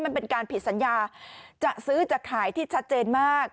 มันเป็นการผิดสัญญาจะซื้อจะขายที่ชัดเจนมาก